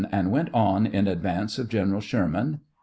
And went on in advance of General Sherman